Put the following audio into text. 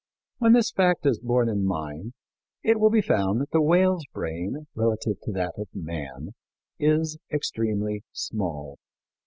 When this fact is borne in mind it will be found that the whale's brain, relatively to that of man, is extremely small.